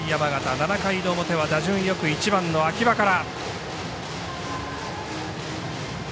７回表は打順よく１番の秋葉から。